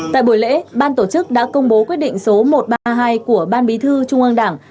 tại buổi lễ ban tổ chức đã công bố quyết định số một trăm ba mươi hai của ban bí thư trung ương đảng